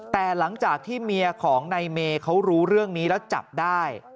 แต่หลังจากที่เมียของนายเมย์เขารู้เรื่องนี้แล้วจับได้